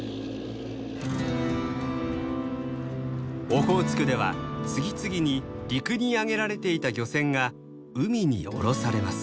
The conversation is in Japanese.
オホーツクでは次々に陸に上げられていた漁船が海に下ろされます。